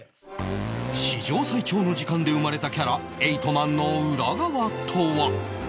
史上最長の時間で生まれたキャラエイト・マンの裏側とは？